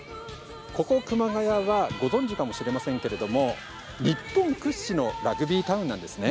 ここ、熊谷はご存じかもしれませんが日本屈指のラグビータウンなんです。